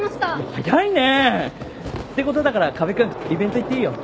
早いね！ってことだから河辺君イベント行っていいよ。